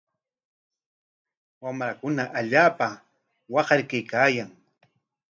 Wamrakuna allaapa waqar kaykaayan.